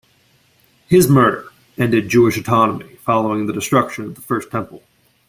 His murder ended Jewish autonomy following the destruction of the First Temple.